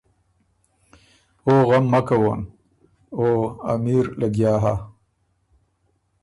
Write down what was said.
”او غم مک کوون، او (امیر) لګیا هۀ